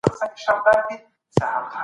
تعاون د بریا کلي ده.